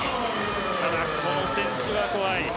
ただ、この選手は怖い。